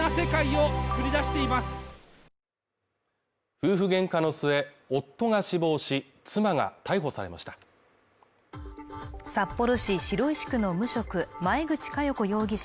夫婦喧嘩の末夫が死亡し妻が逮捕されました札幌市白石区の無職前口加代子容疑者